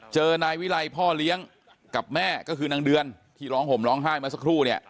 เจอนายวิไลพ่อเลี้ยงกับแม่ก็คือนางเดือนที่ร้องห่มร้องไห้มาสักครู่เนี่ย